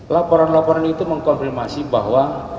laporan laporan itu mengkonfirmasi bahwa